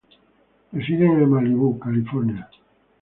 Residen en Malibu, California.